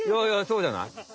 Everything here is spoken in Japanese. そうじゃない？